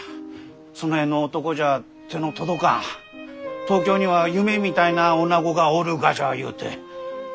その辺の男じゃ手の届かん東京には夢みたいなおなごがおるがじゃゆうて。